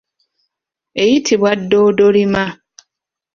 Eyitibwa ddoddolima.